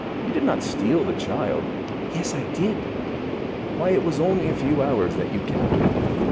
You did not steal the child." "Yes, I did." "Why, it was only a few hours that you kept her."